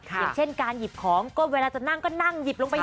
อย่างเช่นการหยิบของก็เวลาจะนั่งก็นั่งหยิบลงไป